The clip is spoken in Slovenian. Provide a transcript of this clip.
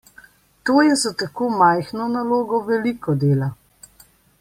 To je za tako majhno nalogo veliko dela.